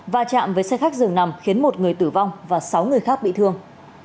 và chạm với xe khách dường nằm khiến một người tử vong và sáu người khác bị thương